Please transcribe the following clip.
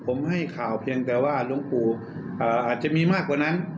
ผมให้ข่าวเพียงแต่ว่าหลวงปู่อาจจะมีมากกว่านั้น